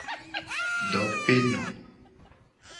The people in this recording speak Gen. Dopeno.